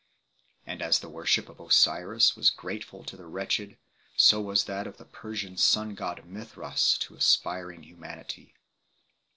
And as the worship of Osiris was grateful to the wretched, so was that of the Persian sun god Mithras to aspiring humanity.